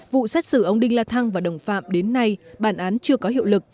vụ xét xử ông đinh la thăng và đồng phạm đến nay bản án chưa có hiệu lực